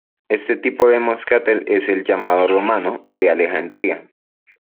Este tipo de moscatel es el llamado romano o de Alejandría.